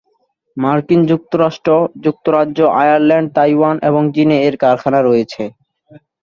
মার্কিন যুক্তরাষ্ট্র, যুক্তরাজ্য, আয়ারল্যান্ড, তাইওয়ান এবং চীনে এর কারখানা রয়েছে।